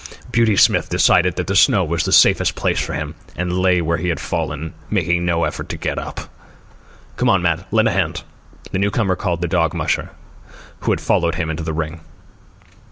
Beauty Smith decided that the snow was the safest place for him, and lay where he had fallen, making no effort to get up. "Come on, Matt, lend a hand," the newcomer called the dog musher, who had followed him into the ring.